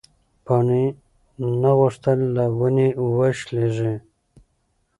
پاڼې نه غوښتل چې له ونې وشلېږي.